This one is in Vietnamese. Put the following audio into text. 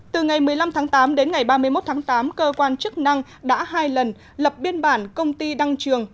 từ ngày một mươi năm tháng tám đến ngày ba mươi một tháng tám cơ quan chức năng đã hai lần lập biên bản công ty đăng trường